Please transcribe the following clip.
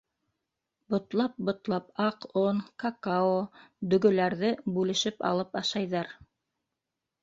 Ботлап-ботлап аҡ он, какао, дөгөләрҙе бүлешеп алып ашайҙар.